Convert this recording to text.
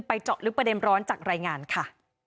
เจาะลึกประเด็นร้อนจากรายงานค่ะ